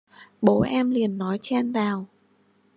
Bố em liền nói chen vào